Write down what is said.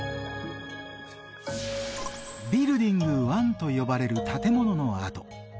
ビルディング１と呼ばれる建物の跡